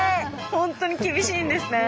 ほんとに厳しいんですね。